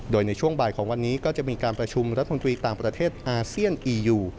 โดยในช่วงบ่ายของวันนี้ก็จะมีการประชุมรัฐมนตรีต่างประเทศอาเซียนอียู